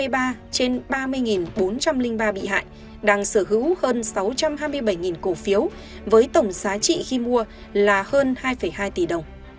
ba mươi ba trên ba mươi bốn trăm linh ba bị hại đang sở hữu hơn sáu trăm hai mươi bảy cổ phiếu với tổng giá trị khi mua là hơn hai hai tỷ đồng